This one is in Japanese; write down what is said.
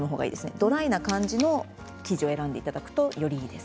ドライな感じの生地を選んでいただくとよりいいです。